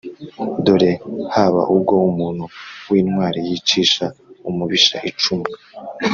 dore haba ubwo umuntu w’intwari yicisha umubisha icumu;